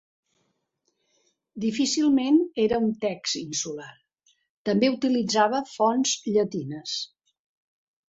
Difícilment era un text insular, també utilitzava fonts llatines.